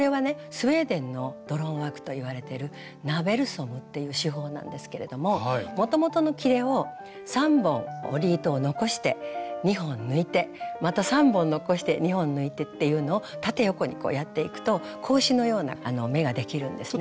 スウェーデンのドロンワークといわれてる「ナーベルソム」っていう手法なんですけれどももともとのきれを３本織り糸を残して２本抜いてまた３本残して２本抜いてっていうのを縦横にやっていくと格子のような目ができるんですね。